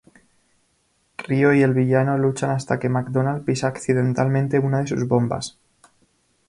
Ryo y el villano luchan hasta que MacDonald pisa accidentalmente una de sus bombas.